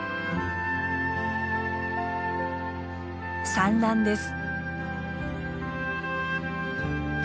産卵です。